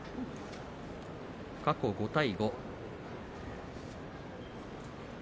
過去５対５。